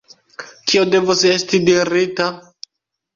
kio devos esti dirita?